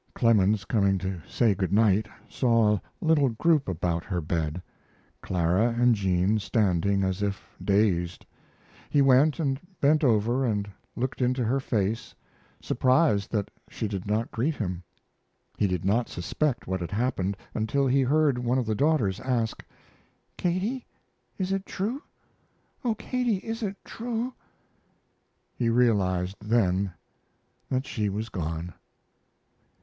Clemens, coming to say good night, saw a little group about her bed, Clara and Jean standing as if dazed. He went and bent over and looked into her face, surprised that she did not greet him. He did not suspect what had happened until he heard one of the daughters ask: "Katie, is it true? Oh, Katie, is it true?" He realized then that she was gone.